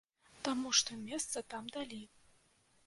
Таму што месца там далі.